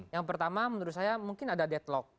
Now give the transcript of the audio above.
yang pertama menurut saya mungkin ada deadlock